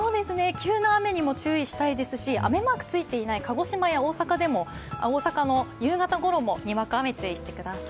急な雨にも注意したいですし、雨マークついていない鹿児島や大阪の夕方ごろでもにわか雨に注意してください。